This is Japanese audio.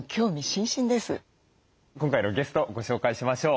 今回のゲストをご紹介しましょう。